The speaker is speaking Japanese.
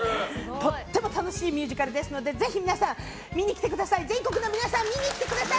とっても楽しいミュージカルですので、ぜひ全国の皆さん見に来てください。